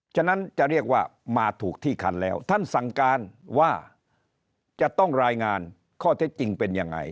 ฉะนั้นจะเรียกว่ามาถูกที่คันแล้วท่านสั่งการว่าจะต้องรายงานข้อเท็จจริงเป็นยังไง